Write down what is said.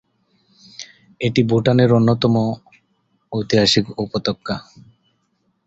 এটি ভুটানের অন্যতম ঐতিহাসিক উপত্যকা।